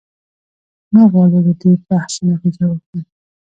نه غواړو له دې بحثه نتیجه واخلو.